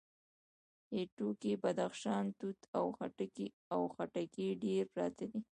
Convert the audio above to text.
هټيو کې بدخشانی توت او خټکي ډېر پراته وو.